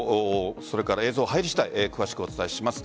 それから映像が入り次第詳しくお伝えします。